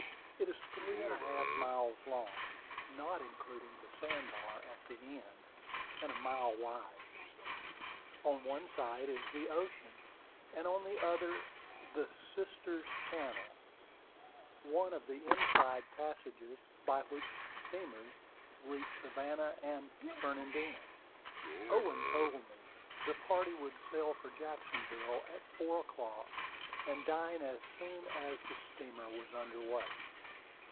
It is three and a half miles long, not including the sand bar at the end, and a mile wide. On one side is the ocean, and on the other the Sisters' Channel, one of the inside passages by which steamers reach Savannah and Fernandina. Owen told me the party would sail for Jacksonville at four o'clock, and dine as soon as the steamer was under way.